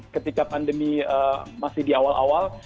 ketika pandemi masih di awal awal